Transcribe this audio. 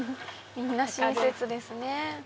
みんな親切ですね。